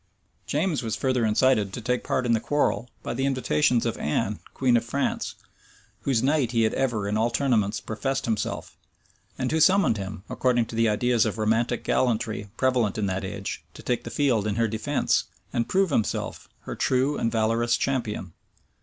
James was further incited to take part in the quarrel by the invitations of Anne, queen of France, whose knight he had ever in all tournaments professed himself, and who summoned him, according to the ideas of romantic gallantry prevalent in that age, to take the field in her defence, and prove himself her true and valorous champion.